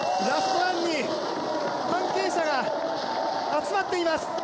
ラストランに関係者が集まっています。